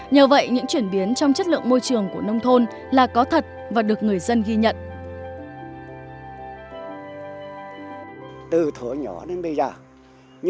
nhờ vậy những chuyển biến trong chất lượng môi trường của nông thôn là có thật và được người dân ghi nhận